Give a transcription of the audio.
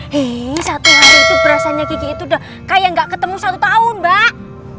hei satu hari itu berasanya gigi itu udah kayak gak ketemu satu tahun mbak